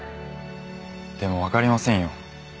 でもわかりませんよ。